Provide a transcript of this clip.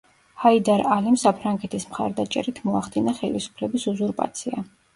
ჰაიდარ ალიმ საფრანგეთის მხარდაჭერით მოახდინა ხელისუფლების უზურპაცია.